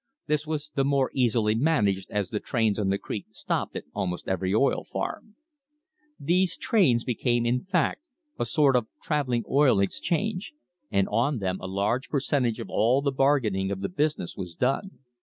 This was the more easily managed as the trains on the creek stopped at almost every oil farm. These trains became, in fact, a sort of travelling oil exchange, and on them a large percentage of all the bargaining of the business was done.